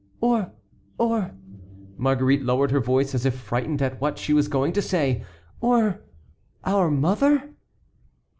"Or—or"—Marguerite lowered her voice as if frightened at what she was going to say, "or—our mother?"